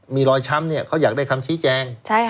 มีรอยช้ำเขาอยากได้คำชี้แจง